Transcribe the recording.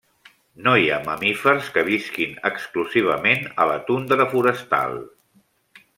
No hi ha mamífers que visquin exclusivament a la tundra forestal.